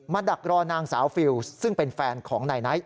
ดักรอนางสาวฟิลล์ซึ่งเป็นแฟนของนายไนท์